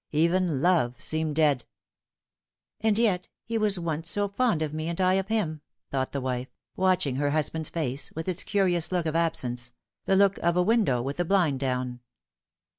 Even love seemed dead. " And yet he was once so fond of me, and I of him," thought the wife, watching her husband's face, with its curious look of absence the look of a window with the blind down.